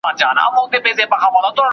پښتو لپاره املا یو ضروري کار دی.